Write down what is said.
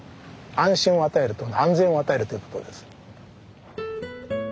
安心を与える安全を与えるということです。